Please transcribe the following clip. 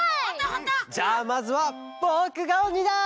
ホント？じゃあまずはぼくがおにだ！